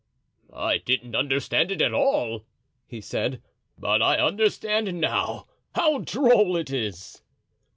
"I didn't understand it all," he said, "but I understand now; how droll it is!"